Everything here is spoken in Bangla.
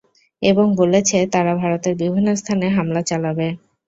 এবং বলেছে তারা ভারতের বিভিন্ন স্থানে হামলা চালাবে।